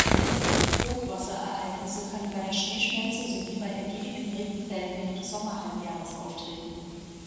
Hochwasserereignisse können bei der Schneeschmelze sowie bei ergiebigen Regenfällen während des Sommerhalbjahres auftreten.